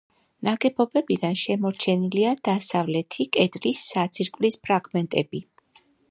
ნაგებობიდან შემორჩენილია დასავლეთი კედლის საძირკვლის ფრაგმენტები.